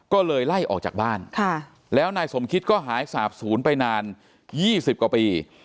ก็เลยไล่ออกจากบ้านแล้วนายสมคิตก็หายสาบศูนย์ไปนาน๒๐กว่าปี